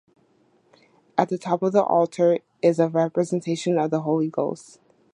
At the top of the altar is a representation of the Holy Ghost.